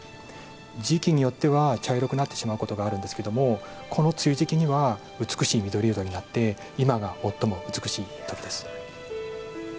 時期によっては茶色くなってしまうことがあるんですけれどもこの梅雨時期には美しい緑色になって今が最も美しいときです。